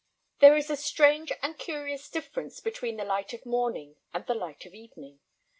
There is a strange and curious difference between the light of morning and the light of evening.